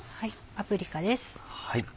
パプリカです。